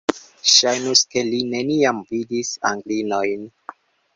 Ŝajnus, ke li neniam vidis Anglinojn!